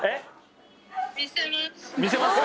「見せます！」。